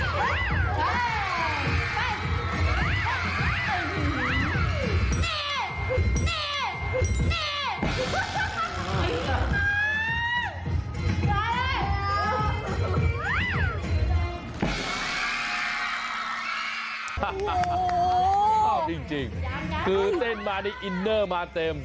ชอบจริงคือเต้นมาในอินเนอร์มาเต็ม